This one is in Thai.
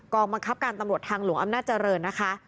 บังคับการตำรวจทางหลวงอำนาจเจริญนะคะ